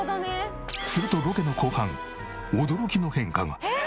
するとロケの後半驚きの変化が。